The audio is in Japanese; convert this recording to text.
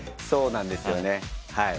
そうなんですよね。